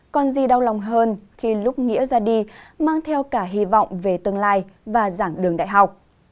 còn gì đau lòng hơn khi lúc nghĩa ra đi mang theo cả hy vọng về tương lai và giảng đường đại học